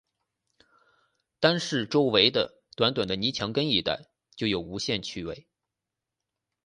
单是周围的短短的泥墙根一带，就有无限趣味